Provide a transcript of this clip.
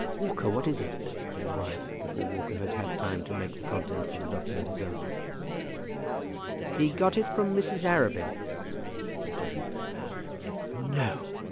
"Walker, what is it?" said his wife, before Walker had had time to make the contents of the document his own. "He got it from Mrs. Arabin," said Toogood. "No!"